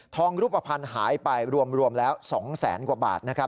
ทองรูปภัณฑ์หายไปรวมแล้ว๒แสนกว่าบาท